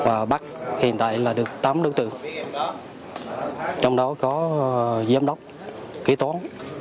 ở bắc hiện tại là được tám đối tượng trong đó có giám đốc kỹ toán